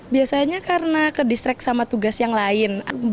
biasanya karena ke distrik sama tugas yang lain